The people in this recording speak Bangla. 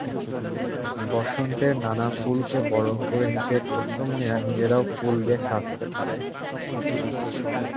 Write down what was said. বসন্তের নানা ফুলকে বরণ করে নিতে ছোট্টমণিরা নিজেরাও ফুল দিয়ে সাজতে পারে।